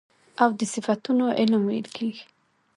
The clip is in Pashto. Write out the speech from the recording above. او د صفتونو علم ويل کېږي .